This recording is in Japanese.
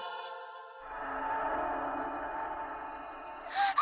あっ！